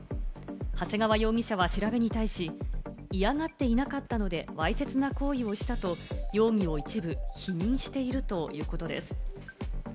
長谷川容疑者は調べに対し、嫌がっていなかったので、わいせつな行為をしたと容疑を一部否認しているということです。